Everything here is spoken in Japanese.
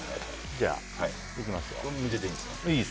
じゃあ、いきますよ。